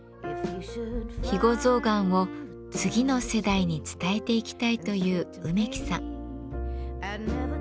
肥後象がんを次の世代に伝えていきたいという梅木さん。